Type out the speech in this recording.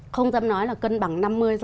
không dám nói là cân bằng năm mươi năm mươi